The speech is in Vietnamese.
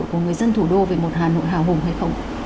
của người dân thủ đô về một hà nội hào hùng hay không